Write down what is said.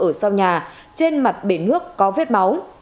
ở sau nhà trên mặt bể nước có vết máu